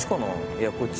いやこっち